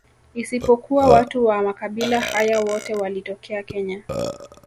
Isipokuwa watu wa makabila haya wote walitokea Kenya